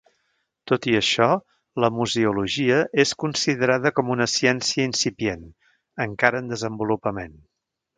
Tot i això, la museologia és considerada com una ciència incipient, encara en desenvolupament.